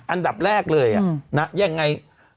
อันดับแรกเลยยังไง